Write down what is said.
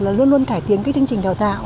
là luôn luôn cải tiến cái chương trình đào tạo